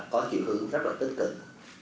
có chịu hưởng rất tích cực